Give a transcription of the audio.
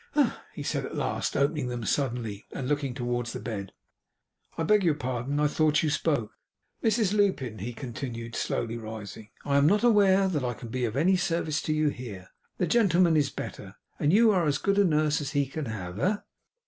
'Eh?' he said at last, opening them suddenly, and looking towards the bed. 'I beg your pardon. I thought you spoke. Mrs Lupin,' he continued, slowly rising 'I am not aware that I can be of any service to you here. The gentleman is better, and you are as good a nurse as he can have. Eh?